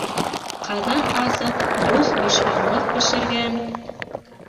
Ҡаҙан аҫып, дуҫ бишбармаҡ бешергән!